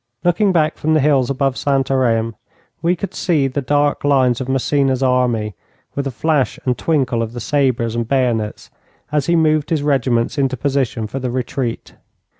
Looking back from the hills above Santarem, we could see the dark lines of Massena's army, with the flash and twinkle of the sabres and bayonets as he moved his regiments into position for their retreat.